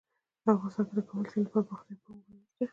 افغانستان کې د د کابل سیند لپاره دپرمختیا پروګرامونه شته.